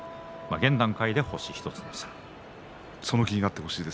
現段階で星１つの差です。